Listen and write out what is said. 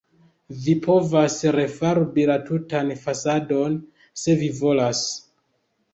Vi povas refarbi la tutan fasadon, se vi volas.